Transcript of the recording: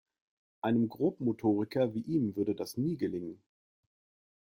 Einem Grobmotoriker wie ihm würde das nie gelingen.